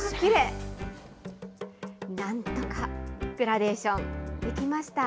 なんとかグラデーション、できました。